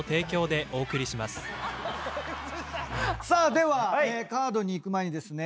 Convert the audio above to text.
ではカードにいく前にですね